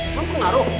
emang kok laru